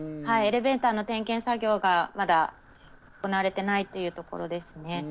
エレベーターの点検作業がまだ行われていないというところですね。